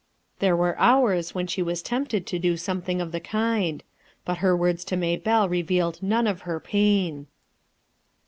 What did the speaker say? There were hours when she was tempted to do something of the kind But her words to Maybelle re vealed none of her pain.